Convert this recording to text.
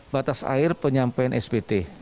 batas akhir penyampaian spt